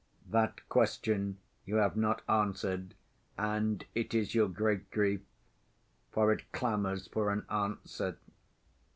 That question you have not answered, and it is your great grief, for it clamors for an answer."